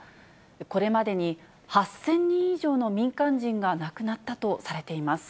これまでに８０００人以上の民間人が亡くなったとされています。